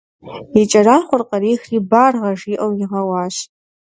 И кӏэрахъуэр кърихри «баргъэ» жиӏэу игъэуащ.